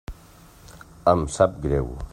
Em sap greu.